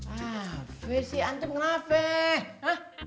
apa sih antum kenapa